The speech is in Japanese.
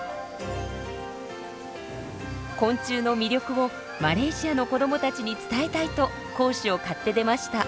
昆虫の魅力をマレーシアの子どもたちに伝えたいと講師を買って出ました。